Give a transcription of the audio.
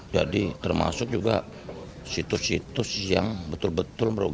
jadi termasuk juga situs situs yang betul betul berukuran